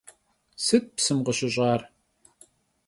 Sıt psım khışış'ar?